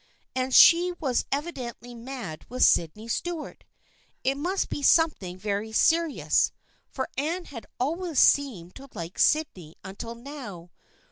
And she was evidently mad with Sydney Stuart. It must be something very serious, for Anne had always seemed to like Sydney until now.